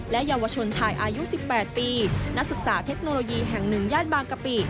เยาวชนชายอายุ๑๘ปีนักศึกษาเทคโนโลยีแห่ง๑ย่านบางกะปิ